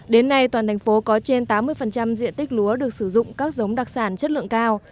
đến nay toàn thành phố có trên tám mươi diện tích lúa được sử dụng các giống đặc sản chất lượng cao